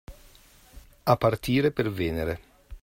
A partire per Venere.